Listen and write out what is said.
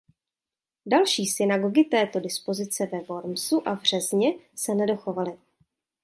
Další synagogy této dispozice ve Wormsu a v Řezně se nedochovaly.